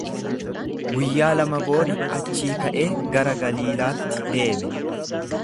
Guyyaa lama booda achii ka'ee gara Galiilaatti deeme.